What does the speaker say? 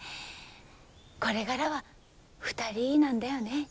これからは２人なんだよね？